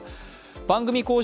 番組公式